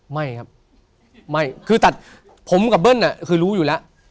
ไม่ครับไม่คือตัดผมกับเบิ้ลคือรู้อยู่แล้ว